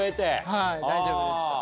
はい大丈夫でした。